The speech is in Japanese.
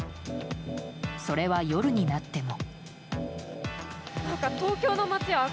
それは、夜になっても。